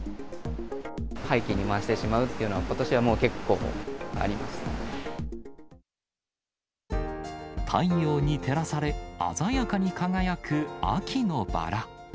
廃棄に回してしまうというの太陽に照らされ、鮮やかに輝く秋のバラ。